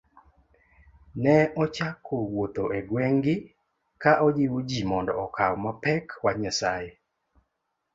Ne ochako wuotho e gweng'gi ka ojiwo ji mondo okaw mapek wach Nyasaye